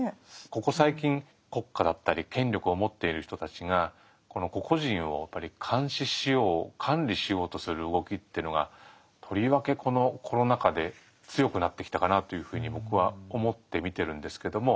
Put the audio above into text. ここ最近国家だったり権力を持っている人たちが個々人をやっぱり監視しよう管理しようとする動きっていうのがとりわけこのコロナ禍で強くなってきたかなというふうに僕は思って見てるんですけども。